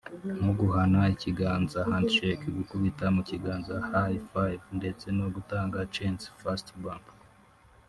nko guhana ikiganza(handshake) gukubita mu kiganza (High five) ndetse no gutanga censi (First bump)